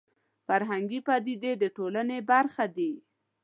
فرهنګي پدیدې د ټولنې برخه دي